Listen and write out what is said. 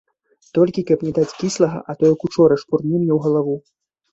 Толькі каб не даць кіслага, а то, як учора, шпурне мне ў галаву.